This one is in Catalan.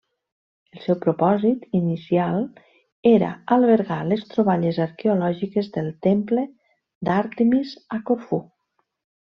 El seu propòsit inicial era albergar les troballes arqueològiques del Temple d'Àrtemis a Corfú.